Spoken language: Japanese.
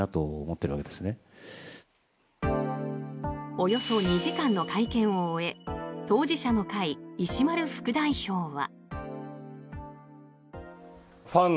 およそ２時間の会見を終え当事者の会、石丸副代表は。